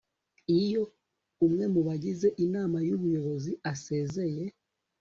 iyo umwe mu bagize inama y'ubuyobozi asezeye